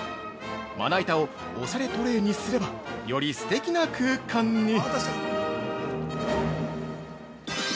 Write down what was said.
まな板をおしゃれトレーにすれば、よりすてきな空間に。